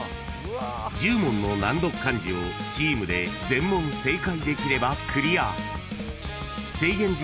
［１０問の難読漢字をチームで全問正解できればクリア］